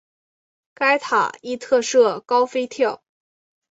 该塔亦特设高飞跳。